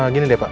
gini deh pak